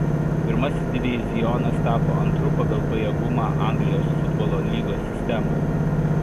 Pirmasis divizionas tapo antru pagal pajėgumą Anglijos futbolo lygos sistemoje.